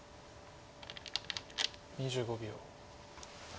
２５秒。